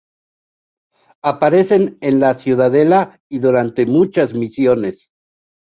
Aparecen en la ciudadela y durante muchas misiones.